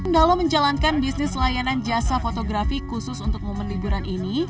dalam menjalankan bisnis layanan jasa fotografi khusus untuk momen liburan ini